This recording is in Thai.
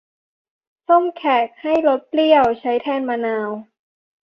ส้มแขก ให้รสเปรี้ยว ใช้แทนมะนาว